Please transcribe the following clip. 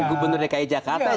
gubernur dki jakarta